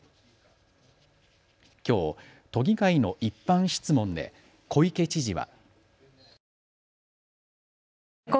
きょう都議会の一般質問で小池知事は。